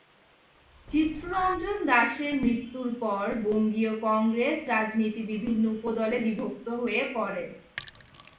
চিত্তরঞ্জন দাশের মৃত্যুর পর বঙ্গীয় কংগ্রেস রাজনীতি বিভিন্ন উপদলে বিভক্ত হয়ে পড়ে।